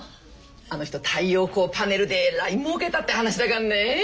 あの人太陽光パネルでえらい儲けたって話だかんね。